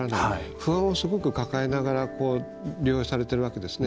不安をすごく抱えながら療養されているわけですね。